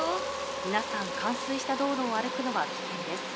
「みなさんかん水した道路を歩くのは危険です。